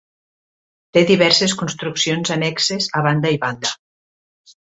Té diverses construccions annexes a banda i banda.